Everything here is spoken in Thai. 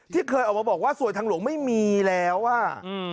ที่เคยออกมาบอกว่าสวยทางหลวงไม่มีแล้วอ่ะอืม